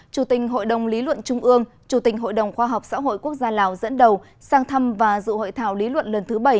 chủ tình hội đồng lý luận trung ương chủ tịch hội đồng khoa học xã hội quốc gia lào dẫn đầu sang thăm và dự hội thảo lý luận lần thứ bảy